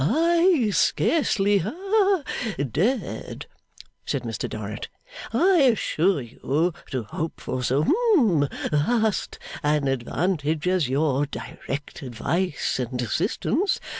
'I scarcely ha dared,' said Mr Dorrit, 'I assure you, to hope for so hum vast an advantage as your direct advice and assistance.